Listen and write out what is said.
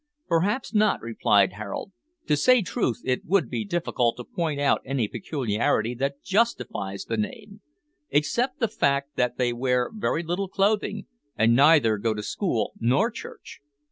"Perhaps not," replied Harold. "To say truth, it would be difficult to point out any peculiarity that justifies the name, except the fact that they wear very little clothing, and neither go to school nor church."